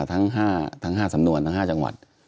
ทั้ง๕สำนวนทั้ง๕จังหวัด